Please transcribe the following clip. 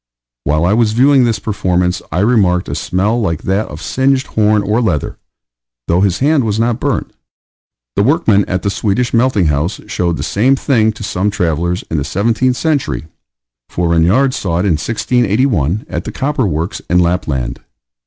While I was viewing this performance, I remarked a smell like that of singed horn or leather, though his hand was not burnt. The workmen at the Swedish melting house showed the same thing to some travellers in the seventeenth century; for Regnard saw it in 1681, at the copper works in Lapland.